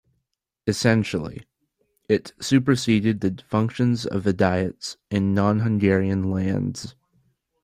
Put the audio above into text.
Essentially, it superseded the function of the diets in non-Hungarian lands.